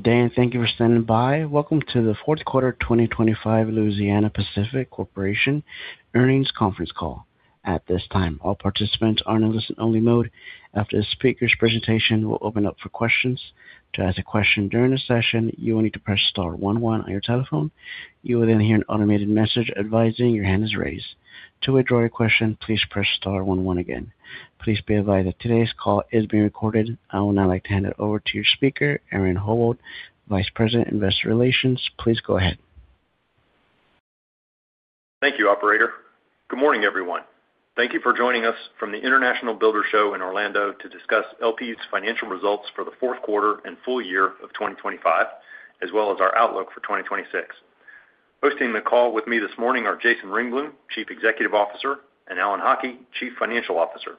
Good day, and thank you for standing by. Welcome to the fourth quarter 2025 Louisiana-Pacific Corporation earnings conference call. At this time, all participants are in a listen-only mode. After the speaker's presentation, we'll open up for questions. To ask a question during the session, you will need to press star one one on your telephone. You will then hear an automated message advising your hand is raised. To withdraw your question, please press star one one again. Please be advised that today's call is being recorded. I would now like to hand it over to your speaker, Aaron Howald, Vice President, Investor Relations. Please go ahead. Thank you, operator. Good morning, everyone. Thank you for joining us from the International Builders Show in Orlando to discuss LP's financial results for the fourth quarter and full year of 2025, as well as our outlook for 2026. Hosting the call with me this morning are Jason Ringblom, Chief Executive Officer, and Alan Haughie, Chief Financial Officer.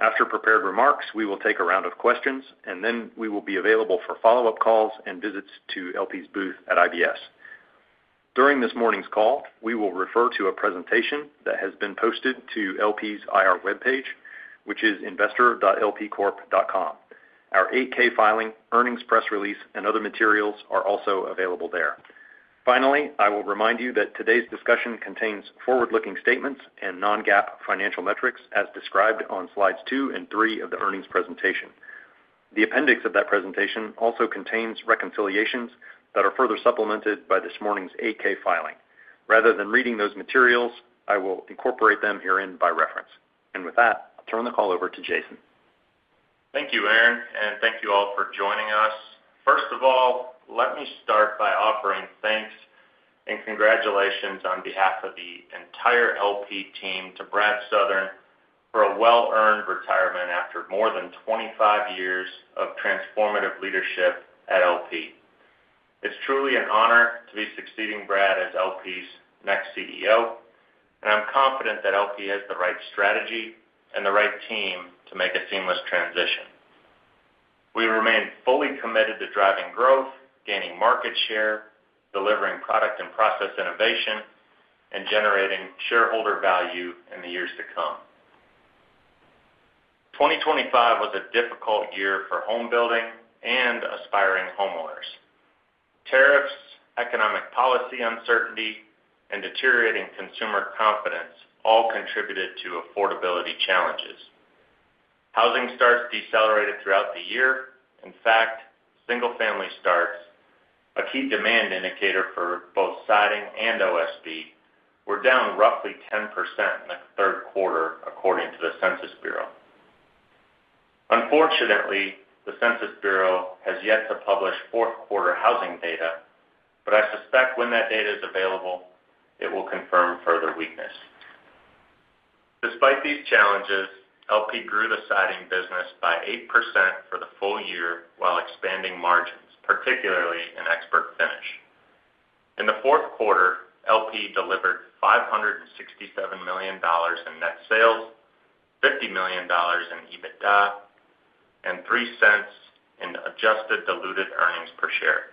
After prepared remarks, we will take a round of questions, and then we will be available for follow-up calls and visits to LP's booth at IBS. During this morning's call, we will refer to a presentation that has been posted to LP's IR webpage, which is investor.lpcorp.com. Our 8-K filing, earnings press release, and other materials are also available there. Finally, I will remind you that today's discussion contains forward-looking statements and non-GAAP financial metrics, as described on slides two and three of the earnings presentation. The appendix of that presentation also contains reconciliations that are further supplemented by this morning's 8-K filing. Rather than reading those materials, I will incorporate them herein by reference. With that, I'll turn the call over to Jason. Thank you, Aaron, and thank you all for joining us. First of all, let me start by offering thanks and congratulations on behalf of the entire LP team to Brad Southern for a well-earned retirement after more than 25 years of transformative leadership at LP. It's truly an honor to be succeeding Brad as LP's next CEO, and I'm confident that LP has the right strategy and the right team to make a seamless transition. We remain fully committed to driving growth, gaining market share, delivering product and process innovation, and generating shareholder value in the years to come. 2025 was a difficult year for home building and aspiring homeowners. Tariffs, economic policy uncertainty, and deteriorating consumer confidence all contributed to affordability challenges. Housing starts decelerated throughout the year. In fact, single-family starts, a key demand indicator for both siding and OSB, were down roughly 10% in the third quarter, according to the Census Bureau. Unfortunately, the Census Bureau has yet to publish fourth quarter housing data, but I suspect when that data is available, it will confirm further weakness. Despite these challenges, LP grew the siding business by 8% for the full year while expanding margins, particularly in ExpertFinish. In the fourth quarter, LP delivered $567 million in net sales, $50 million in EBITDA, and $0.03 in adjusted diluted earnings per share.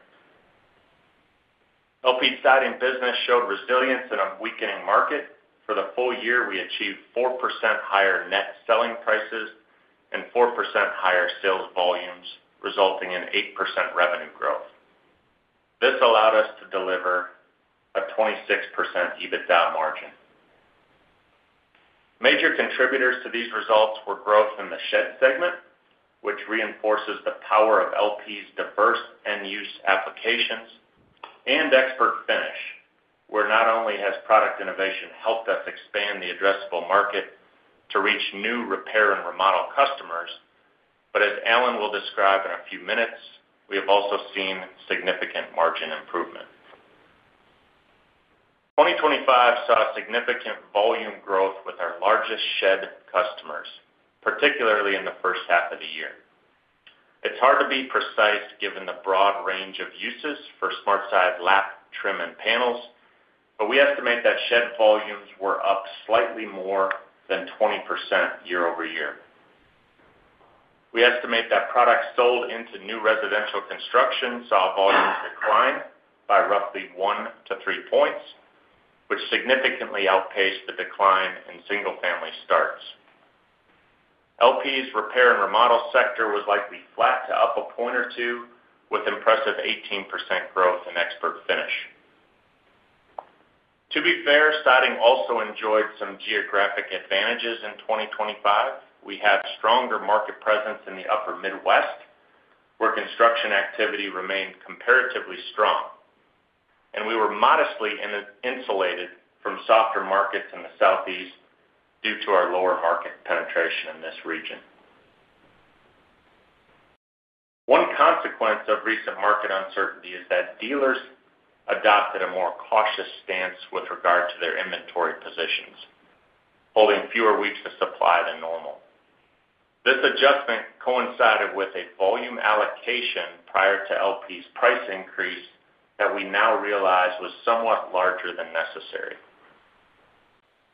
LP's siding business showed resilience in a weakening market. For the full year, we achieved 4% higher net selling prices and 4% higher sales volumes, resulting in 8% revenue growth. This allowed us to deliver a 26% EBITDA margin. Major contributors to these results were growth in the shed segment, which reinforces the power of LP's diverse end-use applications and ExpertFinish, where not only has product innovation helped us expand the addressable market to reach new repair and remodel customers, but as Alan will describe in a few minutes, we have also seen significant margin improvement. 2025 saw significant volume growth with our largest shed customers, particularly in the first half of the year. It's hard to be precise, given the broad range of uses for SmartSide lap, trim, and panels, but we estimate that shed volumes were up slightly more than 20% year-over-year. We estimate that products sold into new residential construction saw volumes decline by roughly 1-3 points, which significantly outpaced the decline in single-family starts. LP's repair and remodel sector was likely flat to up a point or two, with impressive 18% growth in ExpertFinish. To be fair, Siding also enjoyed some geographic advantages in 2025. We had stronger market presence in the Upper Midwest, where construction activity remained comparatively strong, and we were modestly insulated from softer markets in the Southeast due to our lower market penetration in this region. One consequence of recent market uncertainty is that dealers adopted a more cautious stance with regard to their inventory positions, holding fewer weeks of supply than normal. This adjustment coincided with a volume allocation prior to LP's price increase that we now realize was somewhat larger than necessary.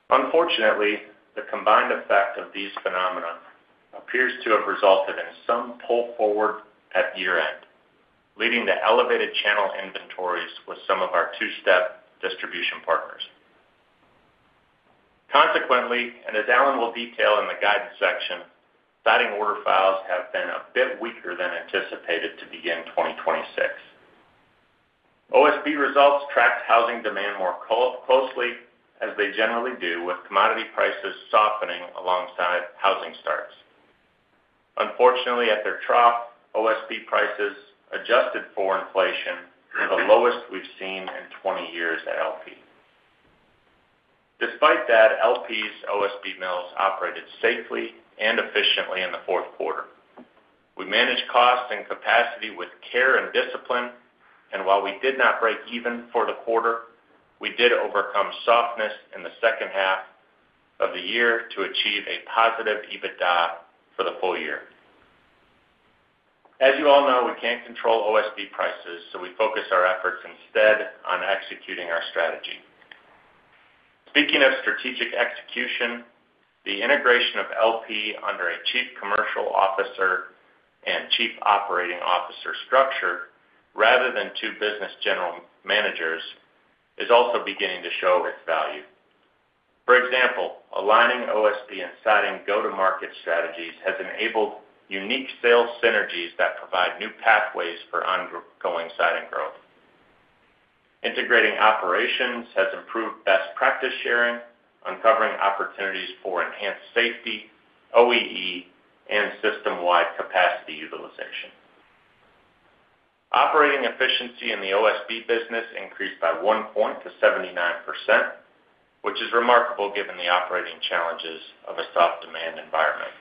Unfortunately, the combined effect of these phenomena appears to have resulted in some pull forward at year-end, leading to elevated channel inventories with some of our two-step distribution partners. Currently, and as Alan will detail in the guidance section, siding order files have been a bit weaker than anticipated to begin 2026. OSB results tracked housing demand more closely, as they generally do, with commodity prices softening alongside housing starts. Unfortunately, at their trough, OSB prices, adjusted for inflation, are the lowest we've seen in 20 years at LP. Despite that, LP's OSB mills operated safely and efficiently in the fourth quarter. We managed costs and capacity with care and discipline, and while we did not break even for the quarter, we did overcome softness in the second half of the year to achieve a positive EBITDA for the full year. As you all know, we can't control OSB prices, so we focus our efforts instead on executing our strategy. Speaking of strategic execution, the integration of LP under a chief commercial officer and chief operating officer structure, rather than two business general managers, is also beginning to show its value. For example, aligning OSB and Siding go-to-market strategies has enabled unique sales synergies that provide new pathways for ongoing Siding growth. Integrating operations has improved best practice sharing, uncovering opportunities for enhanced safety, OEE, and system-wide capacity utilization. Operating efficiency in the OSB business increased by 1 point to 79%, which is remarkable given the operating challenges of a soft demand environment.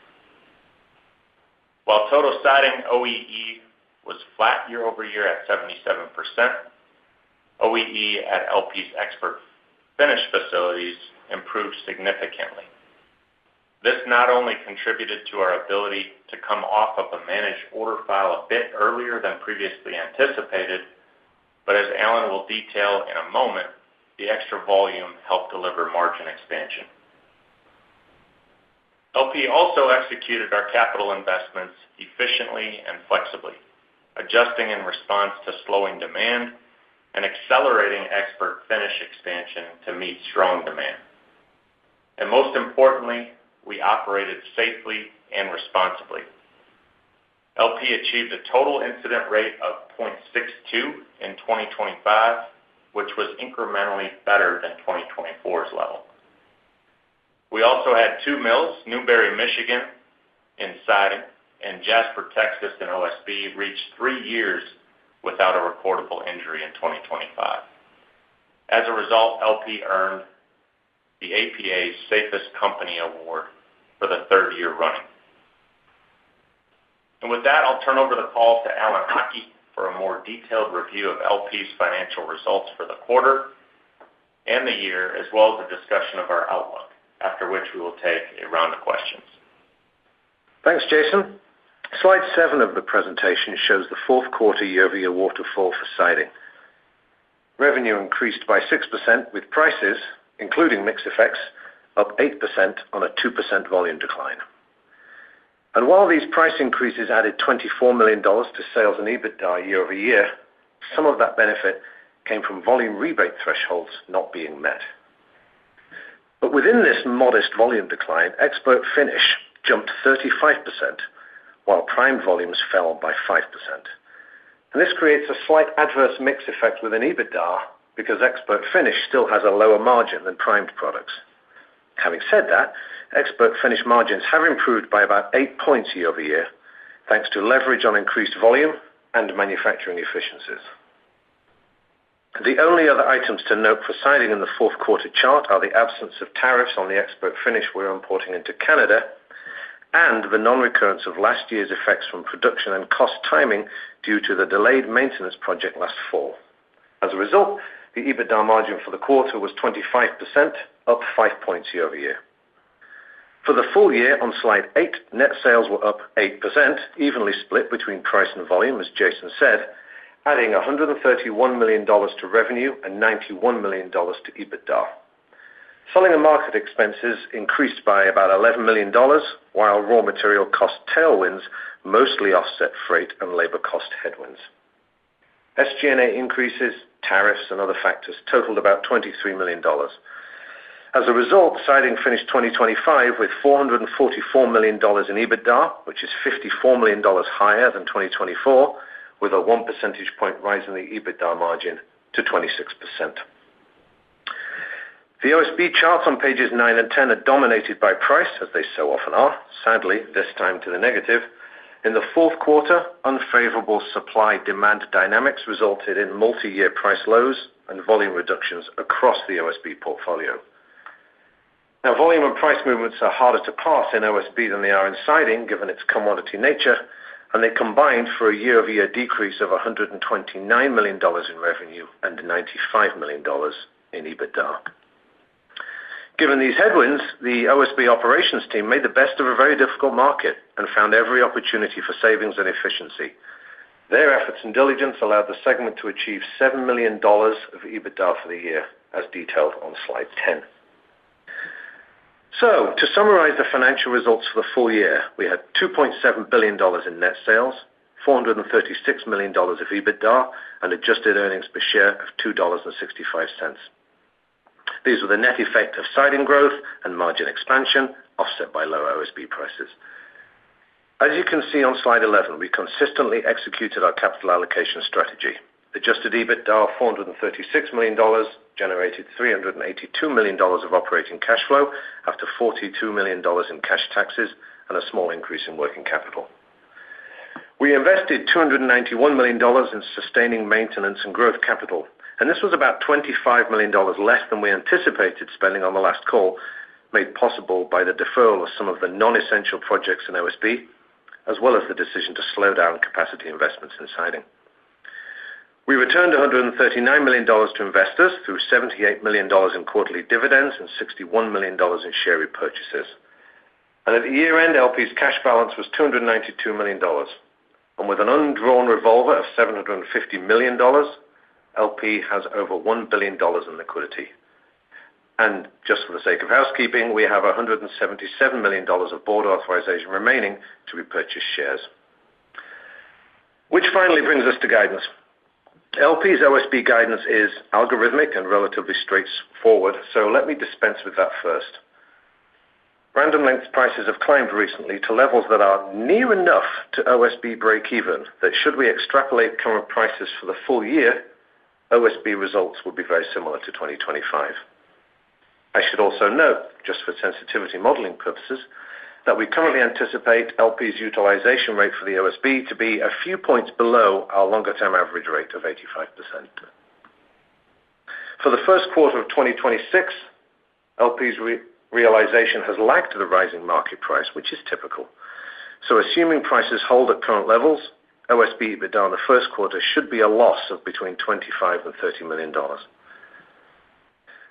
While total Siding OEE was flat year over year at 77%, OEE at LP's ExpertFinish facilities improved significantly. This not only contributed to our ability to come off of a managed order file a bit earlier than previously anticipated, but as Alan will detail in a moment, the extra volume helped deliver margin expansion. LP also executed our capital investments efficiently and flexibly, adjusting in response to slowing demand and accelerating ExpertFinish expansion to meet strong demand. Most importantly, we operated safely and responsibly. LP achieved a total incident rate of 0.62 in 2025, which was incrementally better than 2024's level. We also had two mills, Newberry, Michigan, in Siding and Jasper, Texas, in OSB, reached three years without a recordable injury in 2025. As a result, LP earned the APA's Safest Company Award for the third year running. With that, I'll turn over the call to Alan Haughie for a more detailed review of LP's financial results for the quarter and the year, as well as a discussion of our outlook, after which we will take a round of questions. Thanks, Jason. Slide seven of the presentation shows the fourth quarter year-over-year waterfall for Siding. Revenue increased by 6%, with prices, including mix effects, up 8% on a 2% volume decline. While these price increases added $24 million to sales and EBITDA year-over-year, some of that benefit came from volume rebate thresholds not being met. Within this modest volume decline, ExpertFinish jumped 35%, while prime volumes fell by 5%. This creates a slight adverse mix effect within EBITDA because ExpertFinish still has a lower margin than primed products. Having said that, ExpertFinish margins have improved by about 8 points year-over-year, thanks to leverage on increased volume and manufacturing efficiencies. The only other items to note for Siding in the fourth quarter chart are the absence of tariffs on the ExpertFinish we're importing into Canada, and the non-recurrence of last year's effects from production and cost timing due to the delayed maintenance project last fall. As a result, the EBITDA margin for the quarter was 25%, up 5 points year-over-year. For the full year on slide eight, net sales were up 8%, evenly split between price and volume, as Jason said, adding $131 million to revenue and $91 million to EBITDA. Selling and marketing expenses increased by about $11 million, while raw material cost tailwinds mostly offset freight and labor cost headwinds. SG&A increases, tariffs, and other factors totaled about $23 million. As a result, Siding finished 2025 with $444 million in EBITDA, which is $54 million higher than 2024, with a 1 percentage point rise in the EBITDA margin to 26%. The OSB charts on pages 9 and 10 are dominated by price, as they so often are, sadly, this time to the negative. In the fourth quarter, unfavorable supply-demand dynamics resulted in multiyear price lows and volume reductions across the OSB portfolio. Now, volume and price movements are harder to parse in OSB than they are in Siding, given its commodity nature, and they combined for a year-over-year decrease of $129 million in revenue and $95 million in EBITDA. Given these headwinds, the OSB operations team made the best of a very difficult market and found every opportunity for savings and efficiency. Their efforts and diligence allowed the segment to achieve $7 million of EBITDA for the year, as detailed on slide 10. So to summarize the financial results for the full year, we had $2.7 billion in net sales, $436 million of EBITDA, and adjusted earnings per share of $2.65. These were the net effect of siding growth and margin expansion, offset by low OSB prices. As you can see on slide 11, we consistently executed our capital allocation strategy. Adjusted EBITDA of $436 million generated $382 million of operating cash flow, after $42 million in cash taxes and a small increase in working capital. We invested $291 million in sustaining maintenance and growth capital, and this was about $25 million less than we anticipated spending on the last call, made possible by the deferral of some of the non-essential projects in OSB, as well as the decision to slow down capacity investments in siding. We returned $139 million to investors through $78 million in quarterly dividends and $61 million in share repurchases. At the year-end, LP's cash balance was $292 million, and with an undrawn revolver of $750 million, LP has over $1 billion in liquidity. Just for the sake of housekeeping, we have $177 million of Board authorization remaining to repurchase shares. Which finally brings us to guidance. LP's OSB guidance is algorithmic and relatively straightforward, so let me dispense with that first. Random Lengths prices have climbed recently to levels that are near enough to OSB breakeven that, should we extrapolate current prices for the full year, OSB results will be very similar to 2025. I should also note, just for sensitivity modeling purposes, that we currently anticipate LP's utilization rate for the OSB to be a few points below our longer-term average rate of 85%. For the first quarter of 2026, LP's price realization has lagged the rising market price, which is typical. So assuming prices hold at current levels, OSB EBITDA in the first quarter should be a loss of between $25 million and $30 million.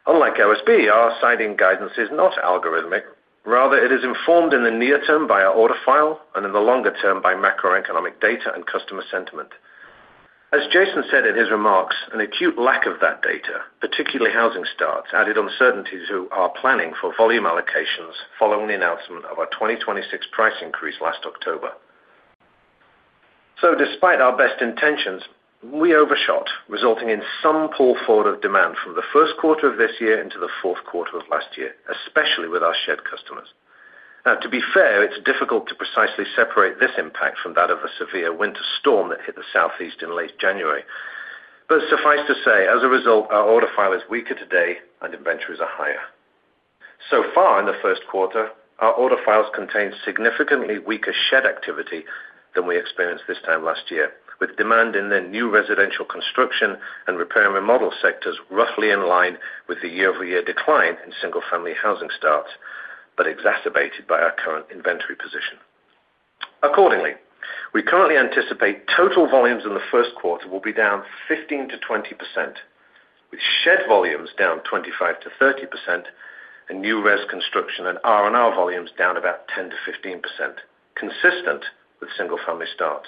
Unlike OSB, our siding guidance is not algorithmic. Rather, it is informed in the near term by our order file and in the longer term by macroeconomic data and customer sentiment. As Jason said in his remarks, an acute lack of that data, particularly housing starts, added uncertainties who are planning for volume allocations following the announcement of our 2026 price increase last October. So despite our best intentions, we overshot, resulting in some pull forward of demand from the first quarter of this year into the fourth quarter of last year, especially with our shed customers. Now, to be fair, it's difficult to precisely separate this impact from that of a severe winter storm that hit the Southeast in late January. But suffice to say, as a result, our order file is weaker today and inventories are higher. So far in the first quarter, our order files contain significantly weaker shed activity than we experienced this time last year, with demand in the new residential construction and repair and remodel sectors, roughly in line with the year-over-year decline in single-family housing starts, but exacerbated by our current inventory position. Accordingly, we currently anticipate total volumes in the first quarter will be down 15%-20%, with shed volumes down 25%-30% and new res construction and R&R volumes down about 10%-15%, consistent with single-family starts.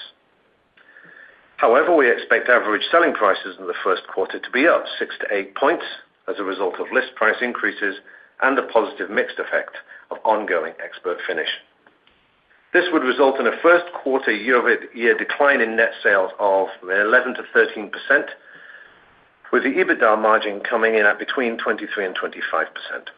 However, we expect average selling prices in the first quarter to be up 6 points-8 points as a result of list price increases and a positive mixed effect of ongoing ExpertFinish. This would result in a first quarter year-over-year decline in net sales of 11%-13%, with the EBITDA margin coming in at between 23% and 25%.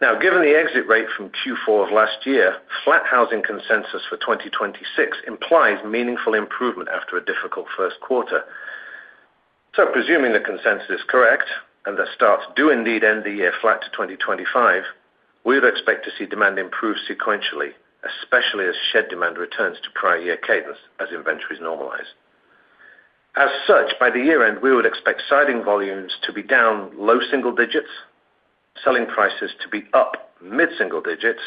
Now, given the exit rate from Q4 of last year, flat housing consensus for 2026 implies meaningful improvement after a difficult first quarter. Presuming the consensus is correct and the starts do indeed end the year flat to 2025, we would expect to see demand improve sequentially, especially as shed demand returns to prior year cadence as inventories normalize. As such, by the year end, we would expect siding volumes to be down low single digits, selling prices to be up mid-single digits,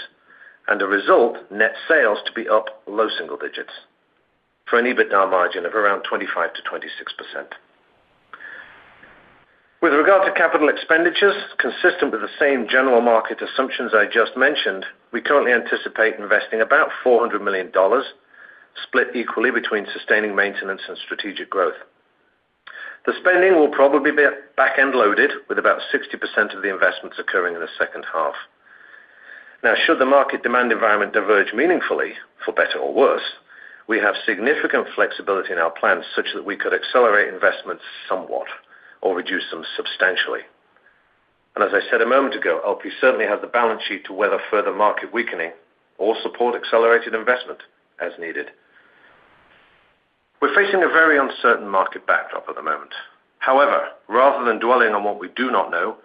and the result, net sales to be up low single digits for an EBITDA margin of around 25%-26%. With regard to capital expenditures, consistent with the same general market assumptions I just mentioned, we currently anticipate investing about $400 million, split equally between sustaining maintenance and strategic growth. The spending will probably be back-end loaded, with about 60% of the investments occurring in the second half. Now, should the market demand environment diverge meaningfully, for better or worse, we have significant flexibility in our plans such that we could accelerate investments somewhat or reduce them substantially. And as I said a moment ago, LP certainly has the balance sheet to weather further market weakening or support accelerated investment as needed. We're facing a very uncertain market backdrop at the moment. However, rather than dwelling on what we do not know,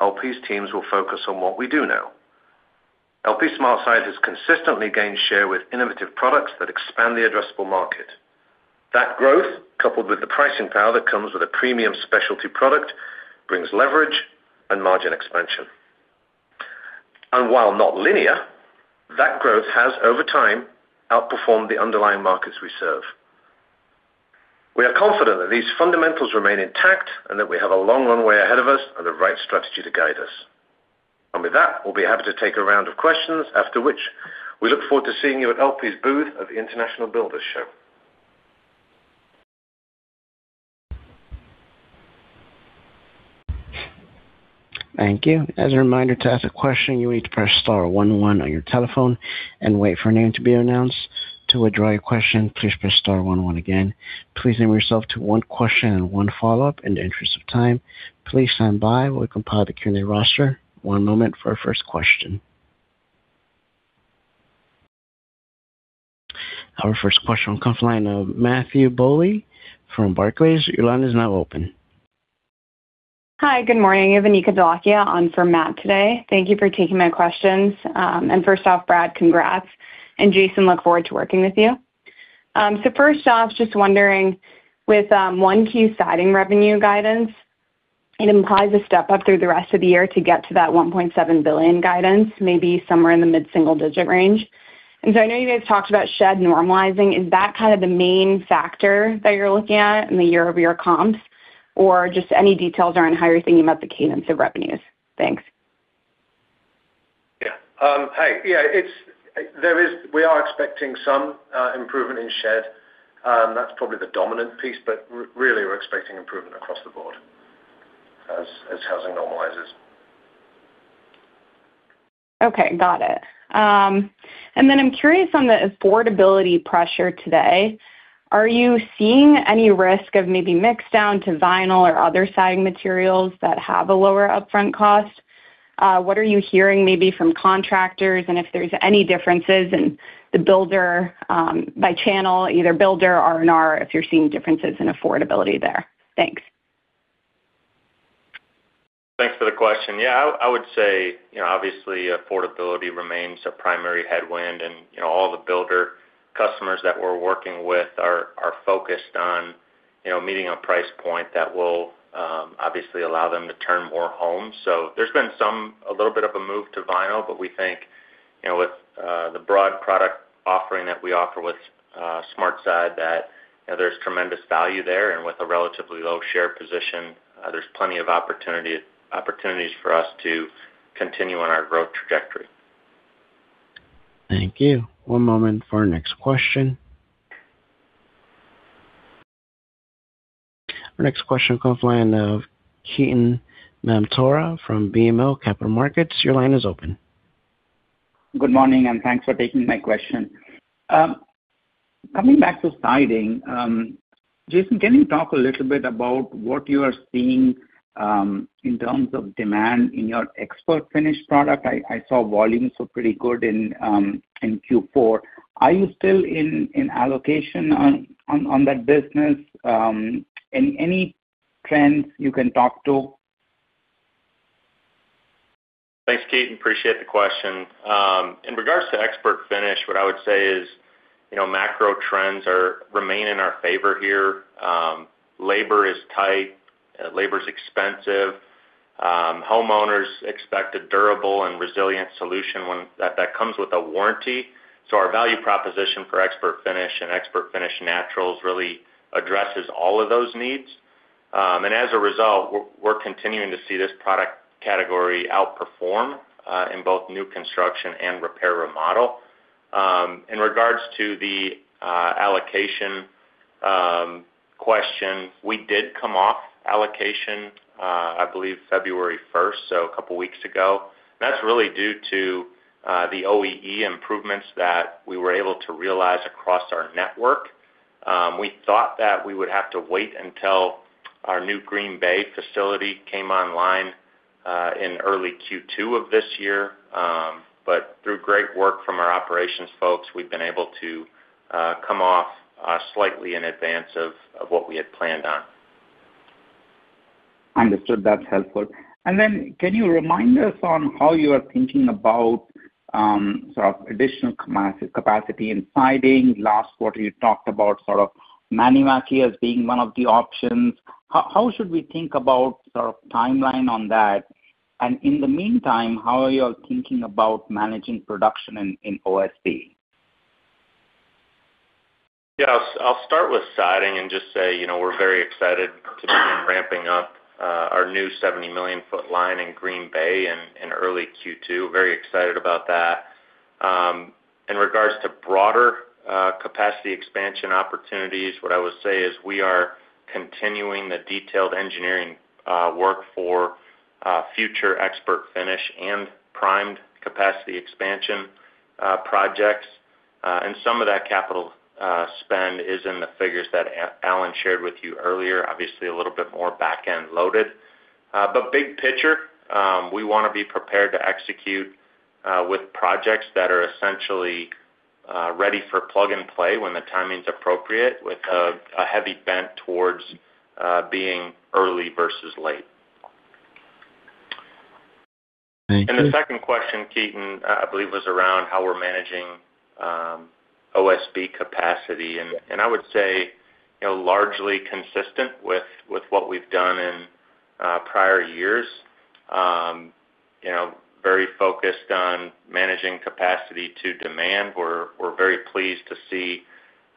LP's teams will focus on what we do know. LP SmartSide has consistently gained share with innovative products that expand the addressable market. That growth, coupled with the pricing power that comes with a premium specialty product, brings leverage and margin expansion. And while not linear, that growth has, over time, outperformed the underlying markets we serve. We are confident that these fundamentals remain intact and that we have a long runway ahead of us and the right strategy to guide us. And with that, we'll be happy to take a round of questions, after which we look forward to seeing you at LP's booth at the International Builders Show. Thank you. As a reminder, to ask a question, you need to press star one one on your telephone and wait for your name to be announced. To withdraw your question, please press star one one again. Please limit yourself to one question and one follow-up in the interest of time. Please stand by while we compile the Q&A roster. One moment for our first question. Our first question comes from the line of Matthew Bouley from Barclays. Your line is now open. Hi, good morning. You have Anika Dholakia on for Matt today. Thank you for taking my questions. And first off, Brad, congrats, and Jason, look forward to working with you. So first off, just wondering, with LP siding revenue guidance, it implies a step up through the rest of the year to get to that $1.7 billion guidance, maybe somewhere in the mid-single digit range. And so I know you guys talked about shed normalizing. Is that kind of the main factor that you're looking at in the year-over-year comps? Or just any details around how you're thinking about the cadence of revenues? Thanks. Yeah. Yeah, there is, we are expecting some improvement in shed, and that's probably the dominant piece, but really, we're expecting improvement across the board as housing normalizes. Okay, got it. And then I'm curious on the affordability pressure today, are you seeing any risk of maybe mix down to vinyl or other siding materials that have a lower upfront cost? What are you hearing maybe from contractors, and if there's any differences in the builder, by channel, either builder or R&R, if you're seeing differences in affordability there? Thanks. Thanks for the question. Yeah, I would say, you know, obviously, affordability remains a primary headwind, and, you know, all the builder customers that we're working with are focused on, you know, meeting a price point that will obviously allow them to turn more homes. So there's been some, a little bit of a move to vinyl, but we think, you know, with the broad product offering that we offer with SmartSide, that there's tremendous value there, and with a relatively low share position, there's plenty of opportunities for us to continue on our growth trajectory. Thank you. One moment for our next question. Our next question comes from the line of Ketan Mamtora from BMO Capital Markets. Your line is open. Good morning, and thanks for taking my question. Coming back to siding, Jason, can you talk a little bit about what you are seeing in terms of demand in your ExpertFinish product? I saw volumes were pretty good in Q4. Are you still in allocation on that business? Any trends you can talk to? Thanks, Ketan. Appreciate the question. In regards to ExpertFinish, what I would say is, you know, macro trends remain in our favor here. Labor is tight, labor is expensive. Homeowners expect a durable and resilient solution when that comes with a warranty. So our value proposition for ExpertFinish and ExpertFinish Naturals really addresses all of those needs. And as a result, we're continuing to see this product category outperform in both new construction and repair remodel. In regards to the allocation question, we did come off allocation I believe February first, so a couple of weeks ago. That's really due to the OEE improvements that we were able to realize across our network. We thought that we would have to wait until our new Green Bay facility came online in early Q2 of this year, but through great work from our operations folks, we've been able to come off slightly in advance of what we had planned on. Understood. That's helpful. And then can you remind us on how you are thinking about sort of additional capacity in siding? Last quarter, you talked about sort of Maniwaki as being one of the options. How should we think about sort of timeline on that? And in the meantime, how are you all thinking about managing production in OSB? Yes, I'll start with siding and just say, you know, we're very excited to be ramping up our new 70 million foot line in Green Bay in early Q2. Very excited about that. In regards to broader capacity expansion opportunities, what I would say is we are continuing the detailed engineering work for future ExpertFinish and primed capacity expansion projects. And some of that capital spend is in the figures that Alan shared with you earlier. Obviously, a little bit more back-end loaded. But big picture, we want to be prepared to execute with projects that are essentially ready for plug and play when the timing is appropriate, with a heavy bent towards being early versus late. Thank you. The second question, Ketan, I believe, was around how we're managing OSB capacity. And I would say, you know, largely consistent with what we've done in prior years. You know, very focused on managing capacity to demand. We're very pleased to see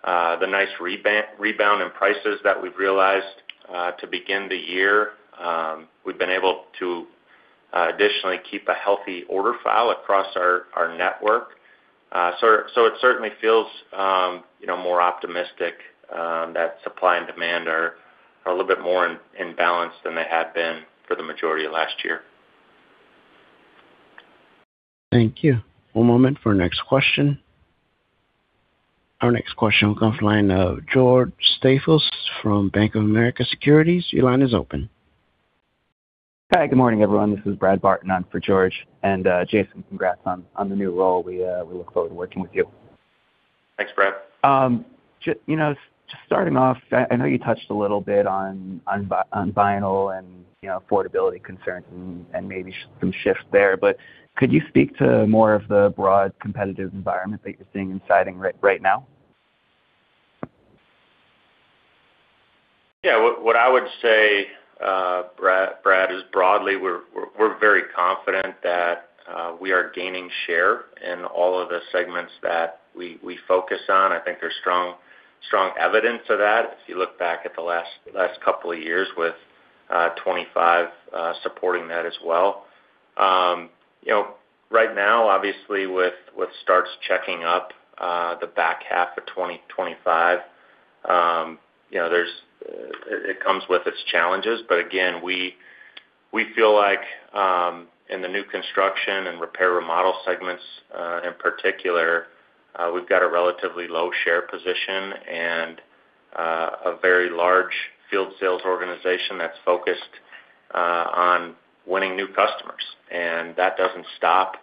the nice rebound in prices that we've realized to begin the year. We've been able to additionally keep a healthy order file across our network.... So it certainly feels, you know, more optimistic that supply and demand are a little bit more in balance than they had been for the majority of last year. Thank you. One moment for our next question. Our next question will come from the line of George Staphos from Bank of America Securities. Your line is open. Hi, good morning, everyone. This is Brad Barton on for George. And, Jason, congrats on the new role. We look forward to working with you. Thanks, Brad. Just, you know, just starting off, I know you touched a little bit on, on vinyl and, you know, affordability concerns and maybe some shifts there, but could you speak to more of the broad competitive environment that you're seeing in siding right now? Yeah, what I would say, Brad, is broadly, we're very confident that we are gaining share in all of the segments that we focus on. I think there's strong evidence of that if you look back at the last couple of years with 25 supporting that as well. You know, right now, obviously, with starts checking up the back half of 2025, you know, there's, it comes with its challenges. But again, we feel like in the new construction and repair remodel segments, in particular, we've got a relatively low share position and a very large field sales organization that's focused on winning new customers. That doesn't stop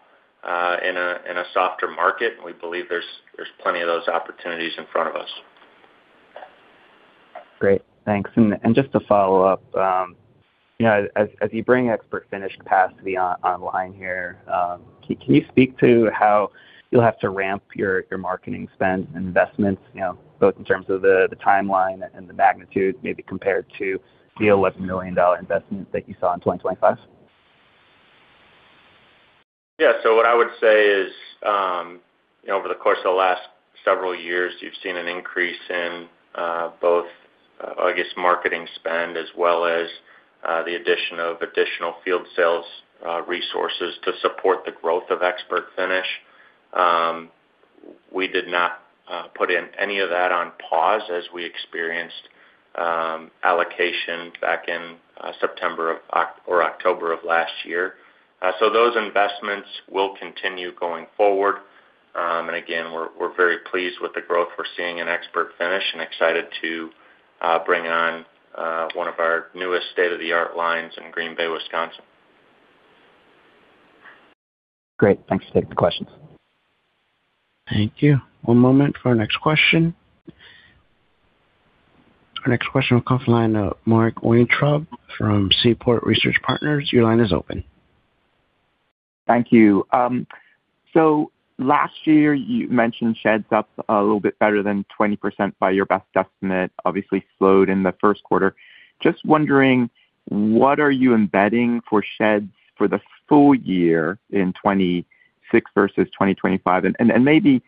in a softer market, and we believe there's plenty of those opportunities in front of us. Great, thanks. Just to follow up, you know, as you bring ExpertFinish capacity online here, can you speak to how you'll have to ramp your marketing spend and investments, you know, both in terms of the timeline and the magnitude, maybe compared to the $11 million investment that you saw in 2025? Yeah. So what I would say is, you know, over the course of the last several years, you've seen an increase in both, I guess, marketing spend, as well as the addition of additional field sales resources to support the growth of ExpertFinish. We did not put in any of that on pause as we experienced allocation back in September or October of last year. So those investments will continue going forward. And again, we're, we're very pleased with the growth we're seeing in ExpertFinish and excited to bring on one of our newest state-of-the-art lines in Green Bay, Wisconsin. Great. Thanks for taking the questions. Thank you. One moment for our next question. Our next question will come from the line of Mark Weintraub from Seaport Research Partners. Your line is open. Thank you. So last year, you mentioned sheds up a little bit better than 20% by your best estimate, obviously slowed in the first quarter. Just wondering, what are you embedding for sheds for the full year in 2026 versus 2025? And, and, and maybe,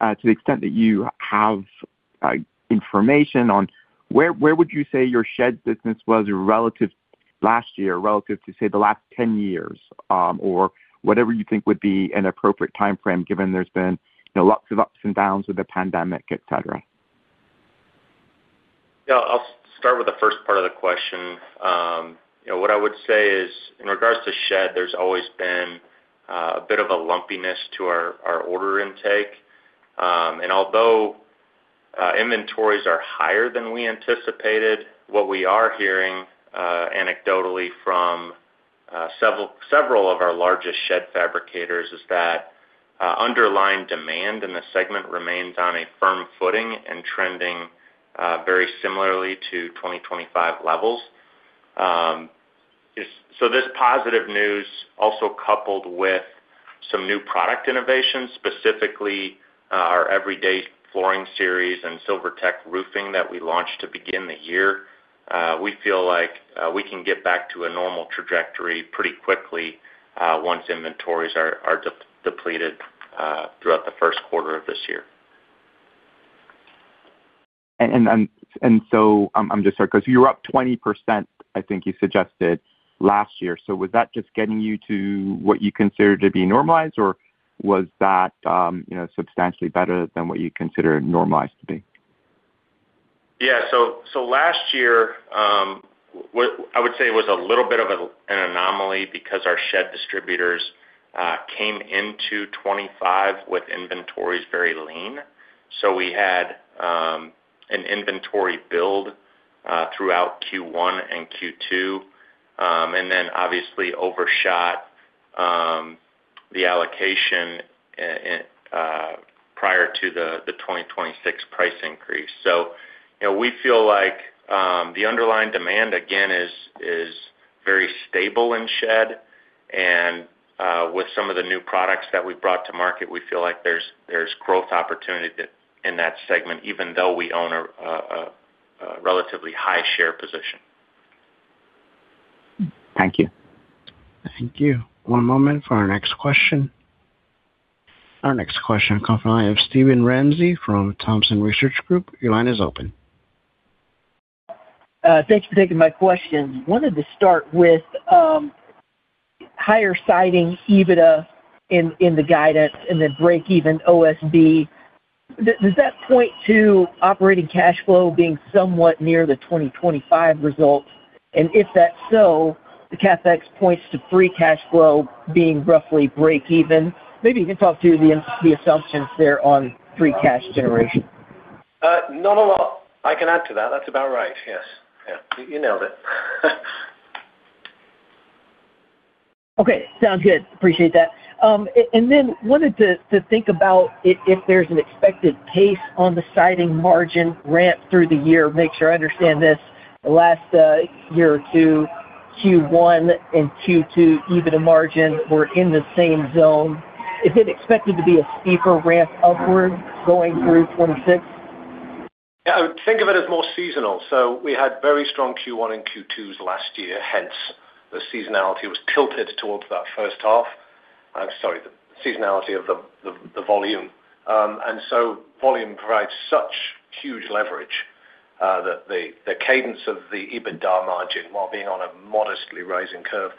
to the extent that you have, information on where, where would you say your shed business was relative last year, relative to, say, the last 10 years, or whatever you think would be an appropriate timeframe, given there's been, you know, lots of ups and downs with the pandemic, et cetera? Yeah, I'll start with the first part of the question. You know, what I would say is, in regards to shed, there's always been a bit of a lumpiness to our order intake. And although inventories are higher than we anticipated, what we are hearing anecdotally from several of our largest shed fabricators is that underlying demand in the segment remains on a firm footing and trending very similarly to 2025 levels. So this positive news, also coupled with some new product innovations, specifically our Everyday Flooring Series and SilverTech Roofing that we launched to begin the year, we feel like we can get back to a normal trajectory pretty quickly once inventories are depleted throughout the first quarter of this year. I'm just sorry, because you were up 20%, I think you suggested, last year. So was that just getting you to what you consider to be normalized, or was that, you know, substantially better than what you consider normalized to be? Yeah. So last year, I would say it was a little bit of an anomaly because our shed distributors came into 2025 with inventories very lean. So we had an inventory build throughout Q1 and Q2, and then obviously overshot the allocation prior to the 2026 price increase. So, you know, we feel like the underlying demand, again, is very stable in shed, and with some of the new products that we've brought to market, we feel like there's growth opportunity in that segment, even though we own a relatively high share position. Thank you. Thank you. One moment for our next question. Our next question come from the line of Steven Ramsey from Thompson Research Group. Your line is open. Thanks for taking my questions. Wanted to start with higher siding EBITDA in the guidance and then breakeven OSB. Does that point to operating cash flow being somewhat near the 2025 results? And if that's so, the CapEx points to free cash flow being roughly breakeven. Maybe you can talk through the assumptions there on free cash generation. Not a lot. I can add to that. That's about right. Yes. Yeah, you nailed it. Okay, sounds good. Appreciate that. And then wanted to think about if there's an expected pace on the siding margin ramp through the year, make sure I understand this. The last year or two, Q1 and Q2 EBITDA margins were in the same zone. Is it expected to be a steeper ramp upward going through 2026? Yeah, I would think of it as more seasonal. So we had very strong Q1 and Q2s last year, hence, the seasonality was tilted towards that first half. I'm sorry, the seasonality of the volume. And so volume provides such huge leverage that the cadence of the EBITDA margin, while being on a modestly rising curve,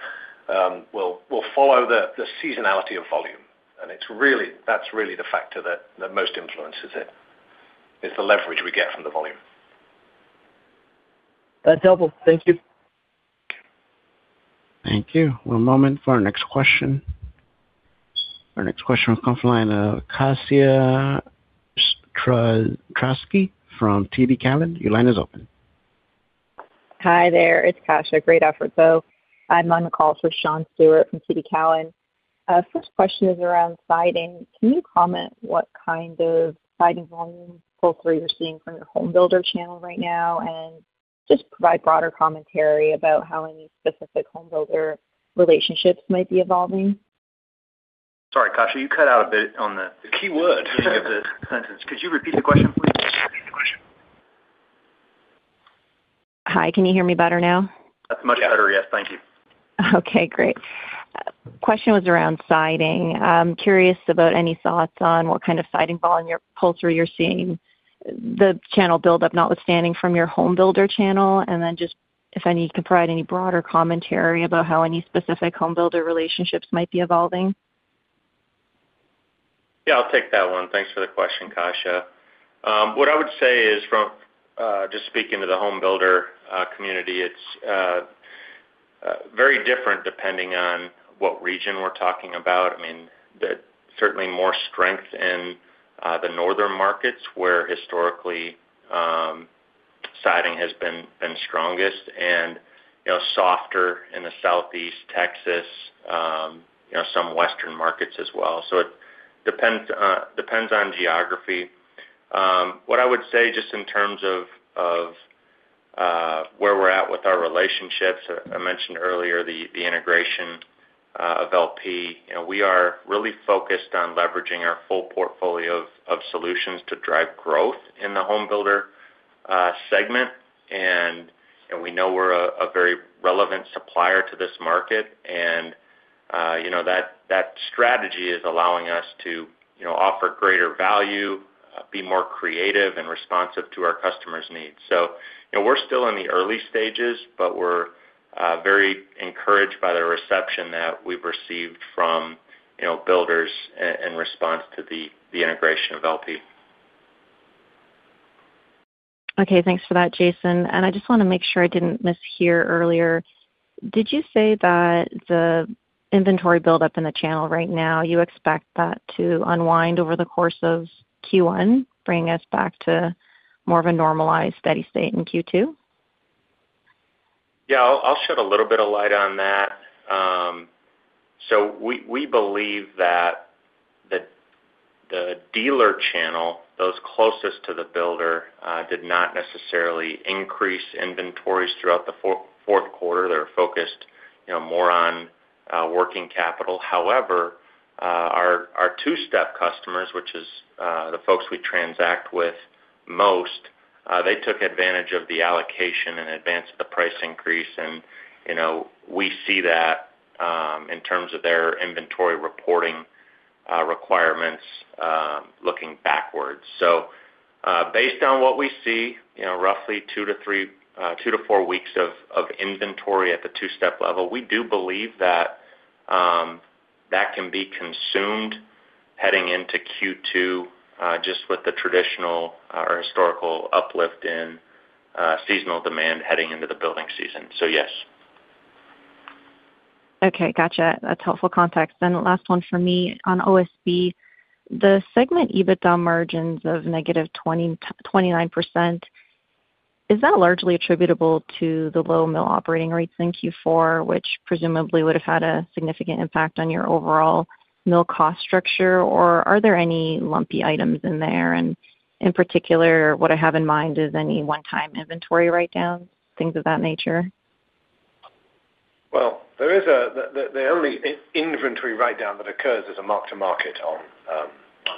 will follow the seasonality of volume. And it's really, that's really the factor that most influences it, is the leverage we get from the volume. That's helpful. Thank you. Thank you. One moment for our next question. Our next question comes from the line of Kasia Strasky from TD Cowen. Your line is open. Hi there, it's Kasia. Great effort, though. I'm on the call for Sean Steuart from TD Cowen. First question is around siding. Can you comment what kind of siding volume pull-through you're seeing from your home builder channel right now, and just provide broader commentary about how any specific home builder relationships might be evolving? Sorry, Kasia, you cut out a bit on the key word of the sentence. Could you repeat the question, please? Repeat the question. Hi, can you hear me better now? That's much better. Yes, thank you. Okay, great. Question was around siding. I'm curious about any thoughts on what kind of siding volume pull-through you're seeing, the channel buildup, notwithstanding from your home builder channel, and then just if any, you can provide any broader commentary about how any specific home builder relationships might be evolving. Yeah, I'll take that one. Thanks for the question, Kasia. What I would say is from just speaking to the home builder community, it's very different depending on what region we're talking about. I mean, there certainly more strength in the northern markets, where historically siding has been strongest and, you know, softer in the Southeast, Texas, you know, some western markets as well. So it depends on geography. What I would say just in terms of where we're at with our relationships, I mentioned earlier the integration of LP. You know, we are really focused on leveraging our full portfolio of solutions to drive growth in the home builder segment. And we know we're a very relevant supplier to this market. You know, that strategy is allowing us to, you know, offer greater value, be more creative and responsive to our customers' needs. So, you know, we're still in the early stages, but we're very encouraged by the reception that we've received from, you know, builders in response to the integration of LP. Okay, thanks for that, Jason. I just wanna make sure I didn't mishear earlier. Did you say that the inventory buildup in the channel right now, you expect that to unwind over the course of Q1, bringing us back to more of a normalized steady state in Q2? Yeah, I'll shed a little bit of light on that. So we believe that the dealer channel, those closest to the builder, did not necessarily increase inventories throughout the fourth quarter. They're focused, you know, more on working capital. However, our two-step customers, which is the folks we transact with most, they took advantage of the allocation and advanced the price increase. And, you know, we see that in terms of their inventory reporting requirements looking backwards. So based on what we see, you know, roughly 2-4 weeks of inventory at the two-step level, we do believe that that can be consumed heading into Q2 just with the traditional or historical uplift in seasonal demand heading into the building season. So yes. Okay, gotcha. That's helpful context. Then last one for me, on OSB. The segment EBITDA margins of -29%, is that largely attributable to the low mill operating rates in Q4, which presumably would have had a significant impact on your overall mill cost structure? Or are there any lumpy items in there? And in particular, what I have in mind, is any one-time inventory writedowns, things of that nature? Well, the only inventory writedown that occurs is a mark to market on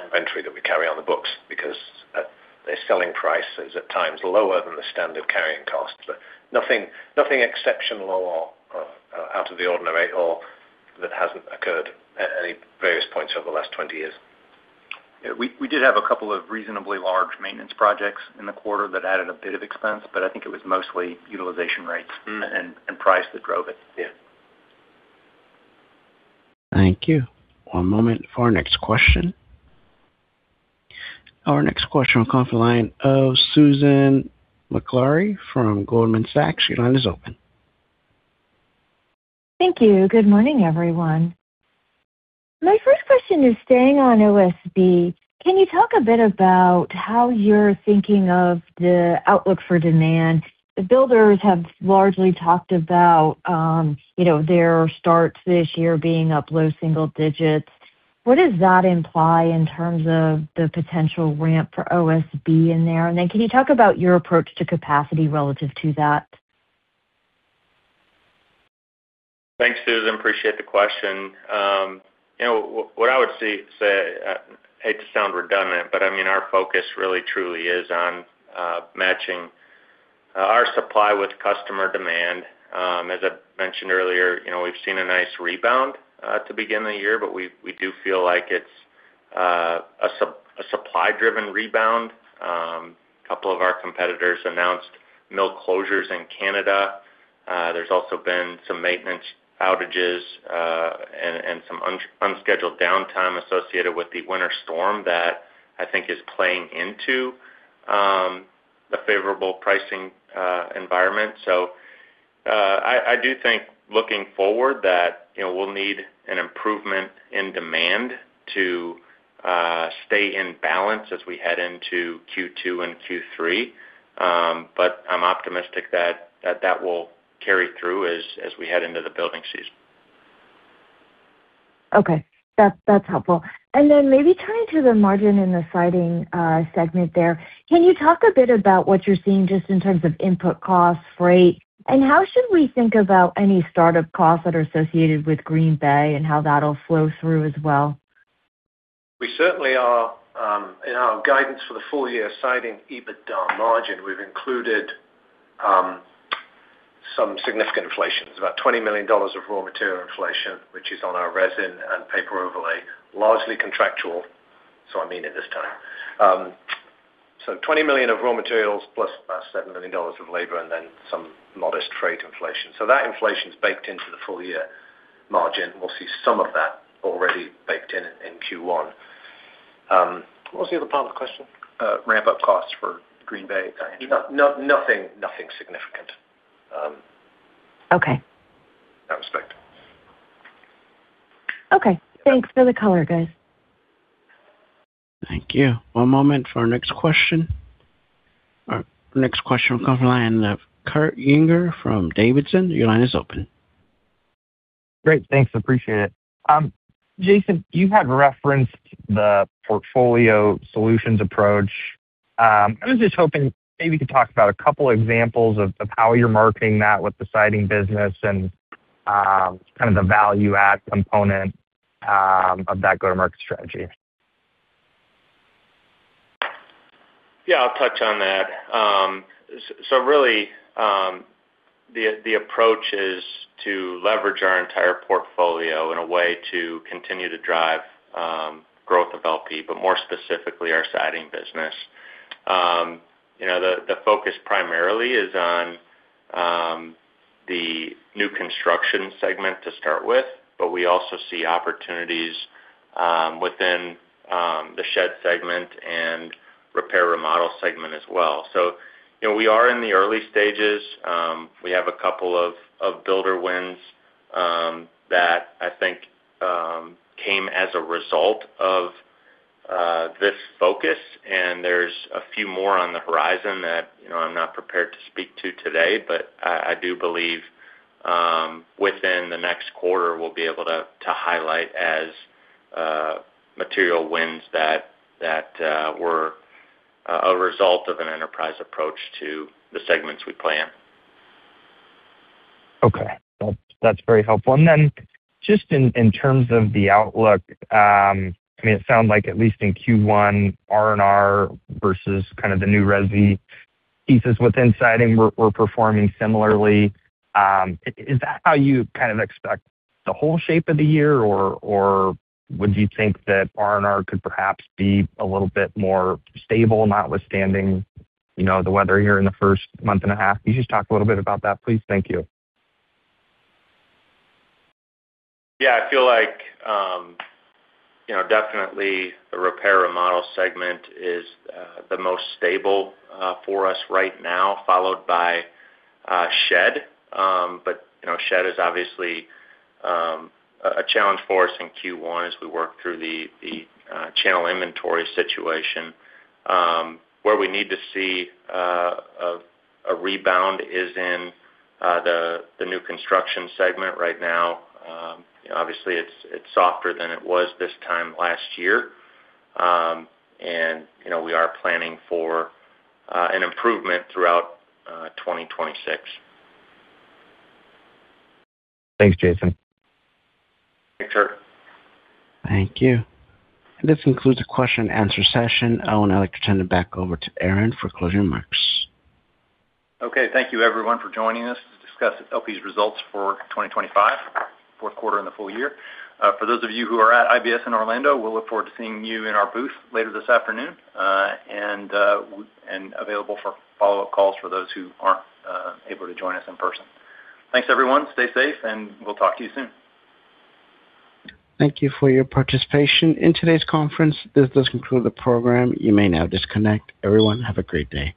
inventory that we carry on the books, because the selling price is at times lower than the standard carrying cost. But nothing exceptional or out of the ordinary or that hasn't occurred at any various points over the last 20 years. We did have a couple of reasonably large maintenance projects in the quarter that added a bit of expense, but I think it was mostly utilization rates, and price that drove it. Thank you. One moment for our next question. Our next question on conference line of Susan Maklari from Goldman Sachs Thank you. Good morning, everyone. My first question is staying on OSB. Can you talk a bit about how you're thinking of the outlook for demand? The builders have largely talked about, you know, their starts this year being up low single digits. What does that imply in terms of the potential ramp for OSB in there? And then can you talk about your approach to capacity relative to that? Thanks, Susan. Appreciate the question. You know, what I would say, I hate to sound redundant, but I mean, our focus really truly is on matching our supply with customer demand. As I mentioned earlier, you know, we've seen a nice rebound to begin the year, but we do feel like it's a supply driven rebound. A couple of our competitors announced mill closures in Canada. There's also been some maintenance outages and some unscheduled downtime associated with the winter storm that I think is playing into a favorable pricing environment. So, I do think looking forward that, you know, we'll need an improvement in demand to stay in balance as we head into Q2 and Q3. But I'm optimistic that that will carry through as we head into the building season. Okay. That's, that's helpful. And then maybe turning to the margin in the siding segment there, can you talk a bit about what you're seeing just in terms of input costs, freight? And how should we think about any startup costs that are associated with Green Bay and how that'll flow through as well? We certainly are in our guidance for the full year, siding EBITDA margin, we've included some significant inflation. It's about $20 million of raw material inflation, which is on our resin and paper overlay, largely contractual, so I mean it this time. So $20 million of raw materials plus $7 million of labor and then some modest freight inflation. So that inflation is baked into the full year margin. We'll see some of that already baked in, in Q1. What was the other part of the question? Ramp-up costs for Green Bay. Nothing significant. Okay. In that respect. Okay. Thanks for the color, guys. Thank you. One moment for our next question. Our next question will come from the line of Kurt Yinger from Davidson. Your line is open. Great, thanks. Appreciate it. Jason, you had referenced the portfolio solutions approach. I was just hoping maybe you could talk about a couple examples of, of how you're marketing that with the siding business and, kind of the value add component, of that go-to-market strategy. Yeah, I'll touch on that. So really, the approach is to leverage our entire portfolio in a way to continue to drive growth of LP, but more specifically, our siding business. You know, the focus primarily is on the new construction segment to start with, but we also see opportunities within the shed segment and repair, remodel segment as well. So, you know, we are in the early stages. We have a couple of builder wins that I think came as a result of this focus, and there's a few more on the horizon that, you know, I'm not prepared to speak to today, but I do believe within the next quarter, we'll be able to highlight as material wins that were a result of an enterprise approach to the segments we play in. Okay. That's very helpful. And then just in terms of the outlook, I mean, it sounds like at least in Q1, R&R versus kind of the new resi pieces within Siding were performing similarly. Is that how you kind of expect the whole shape of the year, or would you think that R&R could perhaps be a little bit more stable, notwithstanding, you know, the weather here in the first month and a half? Can you just talk a little bit about that, please? Thank you. Yeah, I feel like, you know, definitely the repair remodel segment is the most stable for us right now, followed by shed. But, you know, shed is obviously a challenge for us in Q1 as we work through the channel inventory situation. Where we need to see a rebound is in the new construction segment right now. Obviously, it's softer than it was this time last year. And, you know, we are planning for an improvement throughout 2026. Thanks, Jason. Thank you. Thank you. This concludes the question and answer session. I would now like to turn it back over to Aaron for closing remarks. Okay, thank you, everyone, for joining us to discuss LP's results for 2025, fourth quarter and the full year. For those of you who are at IBS in Orlando, we'll look forward to seeing you in our booth later this afternoon, and available for follow-up calls for those who aren't able to join us in person. Thanks, everyone. Stay safe, and we'll talk to you soon. Thank you for your participation in today's conference. This does conclude the program. You may now disconnect. Everyone, have a great day.